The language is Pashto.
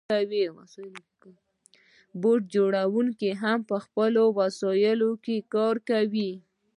بوټ جوړونکو هم په خپلو وسایلو کار کاوه.